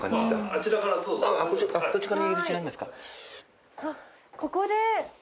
あっここで。